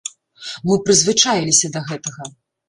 Мы прызвычаіліся да гэтага.